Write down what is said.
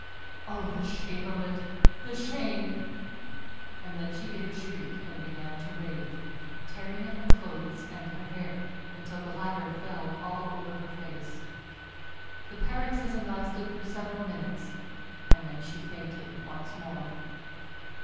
Oh, the shame of it, the shame!" And then she gave a shriek and began to rave, tearing at her clothes and her hair, until the latter fell all over her face. The paroxysm lasted for several minutes and then she fainted once more.